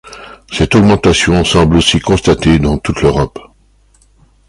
Cette augmentation semble aussi constatée dans toute l'Europe.